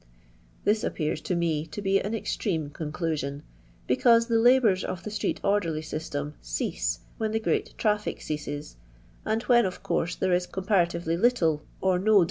This appears to me to be an extreme conclusion: — because the labours of the street orderly system cease when the great traffic ceases, and when, of course, there is comparatively little or no dirt No.